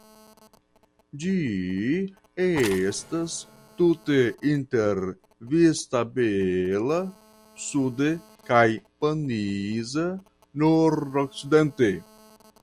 Ĝi estas tute inter Vistabella sude kaj Paniza nordokcidente.